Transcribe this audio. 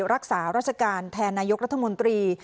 รักษาราชการแทนนายกรัฐมนตรี